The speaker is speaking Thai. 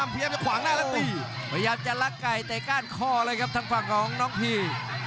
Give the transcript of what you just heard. พยายามจะหลักไก่แต่ก้านข้อเลยครับทางฝั่งของน้องพี